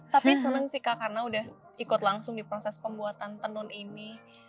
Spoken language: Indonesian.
tapi senang sih kak karena udah ikut langsung di proses pembuatan tenun ini